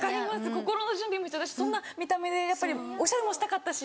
心の準備も必要だしそんな見た目でやっぱりおしゃれもしたかったし。